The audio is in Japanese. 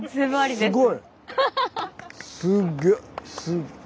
すごい！